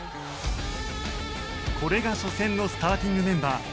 これが初戦のスターティングメンバー。